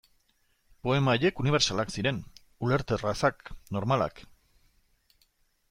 Poema haiek unibertsalak ziren, ulerterrazak, normalak.